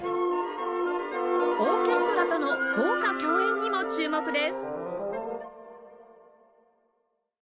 オーケストラとの豪華共演にも注目です